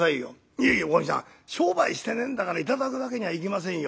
「いえいえおかみさん商売してねえんだから頂くわけにはいきませんよ」。